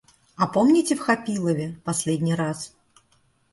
А помните в Хапилове последний раз?